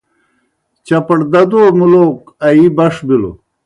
چپڑدَدَو مُلوک آیِی بݜ بِلوْ۔